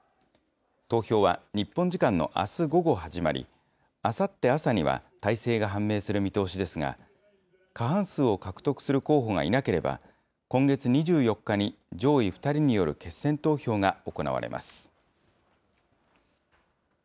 投票は日本時間のあす午後始まり、あさって朝には大勢が判明する見通しですが、過半数を獲得する候補がいなければ、今月２４日に上位２人による決戦投票が行われます。